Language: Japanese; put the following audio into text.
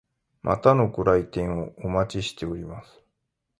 またのご来店をお待ちしております。